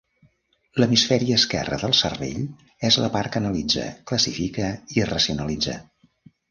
L'hemisferi esquerra del cervell és la part que analitza, classifica i racionalitza.